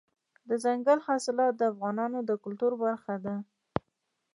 دځنګل حاصلات د افغانانو د ګټورتیا برخه ده.